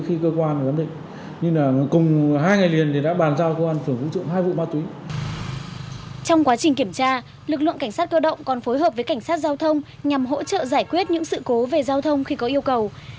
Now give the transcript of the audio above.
trong quá trình kiểm tra lực lượng cảnh sát cơ động còn phối hợp với cảnh sát giao thông nhằm hỗ trợ giải quyết những sự cố về giao thông khi có yêu cầu